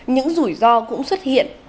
những rủi ro cũng xuất hiện